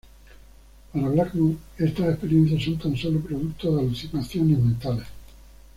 Para Blackmore estas experiencias son tan solo producto de alucinaciones mentales.